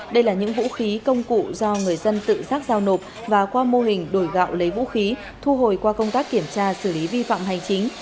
đây là những vũ khí công cụ do người dân tự giác giao nộp và qua mô hình đổi gạo lấy vũ khí thu hồi qua công tác kiểm tra xử lý vi phạm hành chính